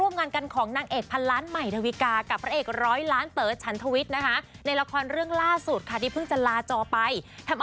มันอะไรยังไง